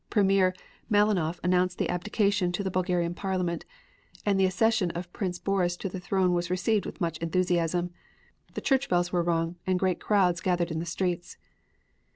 Premier Malinoff announced the abdication to the Bulgarian Parliament, and the accession of Prince Boris to the throne was received with much enthusiasm. The church bells were rung, and great crowds gathered in the streets.